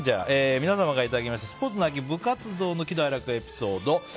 皆様からいただきましたスポーツの秋・部活動の喜怒哀楽エピソード。